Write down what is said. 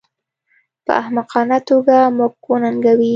په احمقانه توګه موږ وننګوي